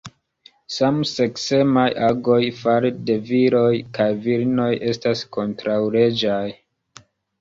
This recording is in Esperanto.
Samseksemaj agoj fare de viroj kaj virinoj estas kontraŭleĝaj.